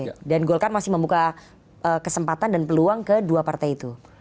tapi tim teknis golkar masih membuka kesempatan dan peluang ke dua partai itu